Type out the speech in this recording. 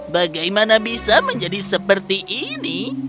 bagaimana bisa menjadi seperti ini